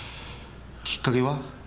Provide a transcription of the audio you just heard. きっかけは？